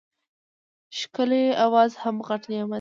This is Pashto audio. ښکلی اواز هم غټ نعمت دی.